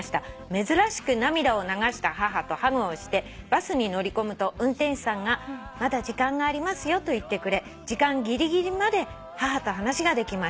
「珍しく涙を流した母とハグをしてバスに乗り込むと運転手さんが『まだ時間がありますよ』と言ってくれ時間ギリギリまで母と話ができました」